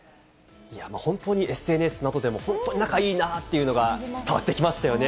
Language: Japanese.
本当にＳＮＳなどでも、本当に仲いいなっていうのが伝わってきましたよね。